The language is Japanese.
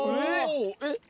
えっ！